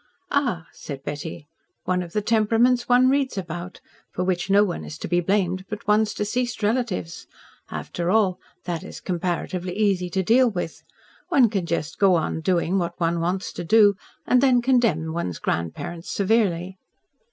"Ah!" said Betty. "One of the temperaments one reads about for which no one is to be blamed but one's deceased relatives. After all, that is comparatively easy to deal with. One can just go on doing what one wants to do and then condemn one's grandparents severely."